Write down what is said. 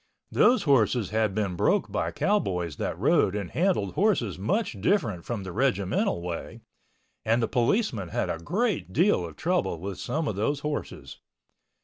Those horses had been broke by cowboys that rode and handled horses much different from the regimental way and the policemen had a great deal of trouble with some of those horses.